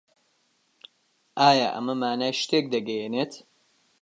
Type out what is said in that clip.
ئایا ئەمە مانای شتێک دەگەیەنێت؟